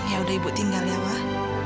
yaudah ibu tinggal ya wah